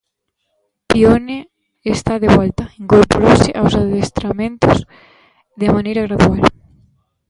Pione está de volta, incorporouse aos adestramentos de maneira gradual.